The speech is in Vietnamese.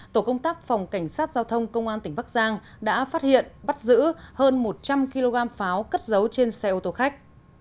tổ công tác phòng cảnh sát giao thông công an tỉnh bắc giang đã phát hiện bắt giữ hơn một trăm linh kg pháo cất dấu trên xe ô tô khách